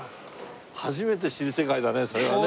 初めて知る世界だねそれはね。